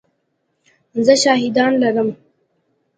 زه شاهدان لرم !